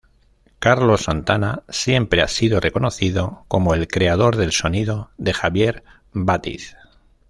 Carlos Santana, siempre ha sido reconocido como el creador del sonido de Javier Bátiz.